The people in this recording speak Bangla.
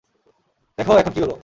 দেখ এখন কী হলো।